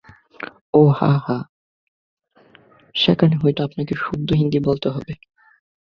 ওহ, হ্যাঁঁ, সেখানে হয়তো আপনাকে সুদ্ধ হিন্দি বলতে হবে।